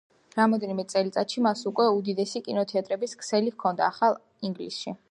რამდენიმე წელიწადში მას უკვე უდიდესი კინოთეატრების ქსელი ჰქონდა ახალ ინგლისში.